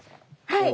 はい。